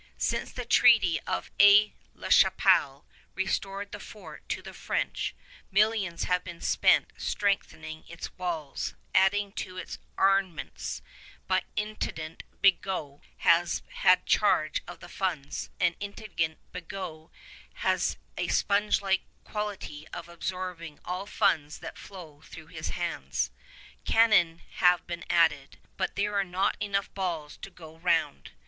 Since the Treaty of Aix la Chapelle restored the fort to the French, millions have been spent strengthening its walls, adding to the armaments; but Intendant Bigot has had charge of the funds, and Intendant Bigot has a sponge like quality of absorbing all funds that flow through his hands. Cannon have been added, but there are not enough balls to go round.